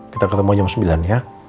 kita ketemu jam sembilan ya